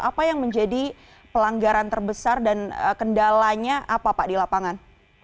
apa yang menjadi pelanggaran terbesar dan kendalanya apa pak di lapangan